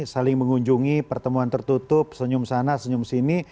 saling mengunjungi pertemuan tertutup senyum sana senyum sini